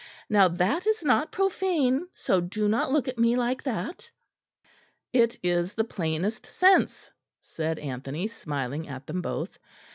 Now that is not profane, so do not look at me like that." "It is the plainest sense," said Anthony, smiling at them both.